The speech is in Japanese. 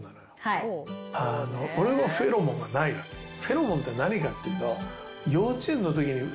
フェロモンって何かっていうと。